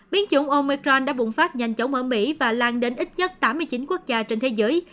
biến chủng omicron đã bùng phát nhanh chóng ở mỹ và lan đến ít nhất tám mươi chín quốc gia trên thế giới